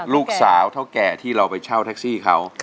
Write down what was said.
ลูกสาวเท่าแก่ที่เราไปเช่าแท็กซี่เขา